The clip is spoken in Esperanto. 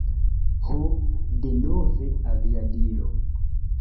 Ho, denove aviadilo.